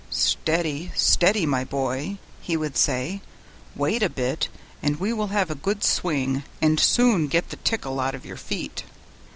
"Steady, steady, my boy," he would say; "wait a bit, and we will have a good swing, and soon get the tickle out of your feet."